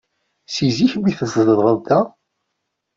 Si zik mi tzedɣeḍ da?